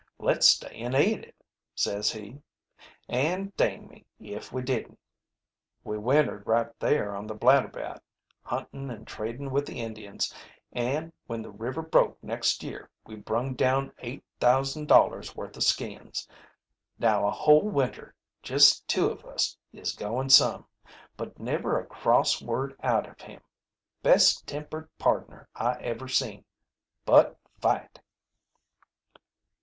'Let's stay an' eat it,' says he. An' dang me if we didn't. We wintered right there on the Blatterbat, huntin' and tradin' with the Indians, an' when the river broke next year we brung down eight thousand dollars' worth of skins. Now a whole winter, just two of us, is goin' some. But never a cross word out of him. Best tempered pardner I ever seen. But fight!"